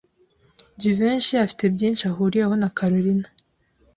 Jivency afite byinshi ahuriyeho na Kalorina.